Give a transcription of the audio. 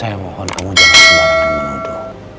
saya mohon kamu jangan suarakan penuduk